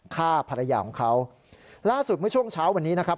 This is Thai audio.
ฆ่าภรรยาของเขาล่าสุดเมื่อช่วงเช้าวันนี้นะครับ